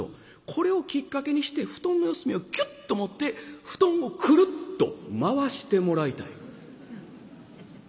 これをきっかけにして布団の四隅をキュッと持って布団をクルッと回してもらいたい」。